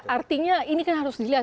artinya ini kan harus jelas